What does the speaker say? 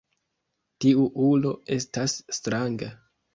Tiu ulo estas stranga.